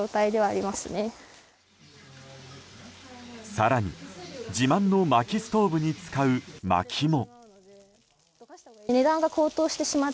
更に自慢のまきストーブに使うまきも。